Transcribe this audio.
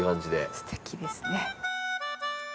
すてきですね。